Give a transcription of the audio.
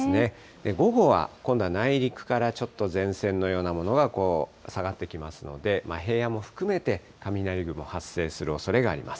午後は今度は内陸からちょっと前線のようなものが、こう下がってきますので、平野も含めて雷雲、発生するおそれがあります。